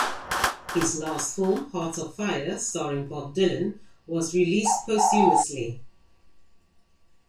His last film, "Hearts of Fire", starring Bob Dylan, was released posthumously.